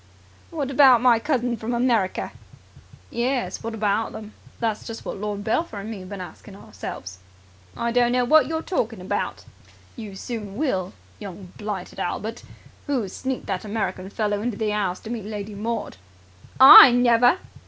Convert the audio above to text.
"What about my cousins from America?" "Yes, what about them? That's just what Lord Belpher and me have been asking ourselves." "I don't know wot you're talking about." "You soon will, young blighted Albert! Who sneaked that American fellow into the 'ouse to meet Lady Maud?" "I never!"